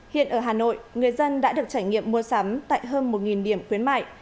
hiện ở hà nội người dân đã được trải nghiệm mua sắm tại hơn một điểm khuyến mại